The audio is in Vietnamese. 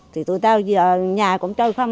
thì tụi tao nhà cũng chơi không